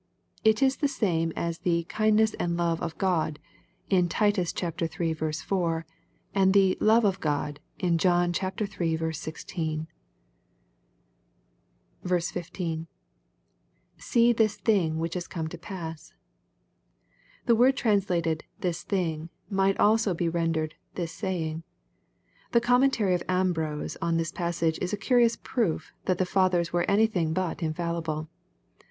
— It is the same as the "kindness and love of God" in Titus iii. 4, and the " love of God" in John iiL 16. l5. — [See ihis thing which is come to pass,] The word translated "this thing," might also be rendered "^is saying." The com mentary of Ambrose on this passage is a curious proof that the Fathers were anything but infallible.